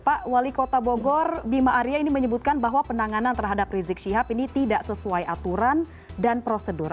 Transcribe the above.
pak wali kota bogor bima arya ini menyebutkan bahwa penanganan terhadap rizik syihab ini tidak sesuai aturan dan prosedur